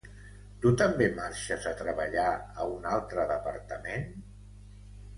Tu també marxes a treballar a un altre departament?